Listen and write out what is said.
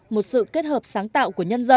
một sự kết hợp sáng tạo của nhân dân